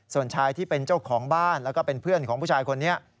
ส่วนชายที่เป็นเจ้าของบ้านแล้วก็เป็นเพื่อนของผู้ชายคนนี้